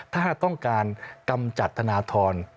ถ้าต้องการกำจัดธนทร